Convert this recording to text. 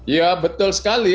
ya betul sekali